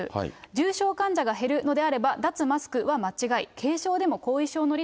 重症患者が減るのであれば、脱マスクは間違い。